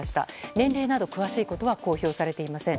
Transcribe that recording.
年齢など詳しいことは公表されていません。